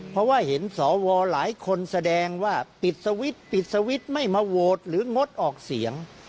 เพราะว่าเห็นสวหลายคนแสดงว่าปิดสวิตช์ปิดสวิตช์ไม่มาโหวตหรืองดออกเสียง